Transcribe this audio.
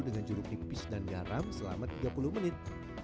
dengan juruk tipis dan garam selama tiga puluh menit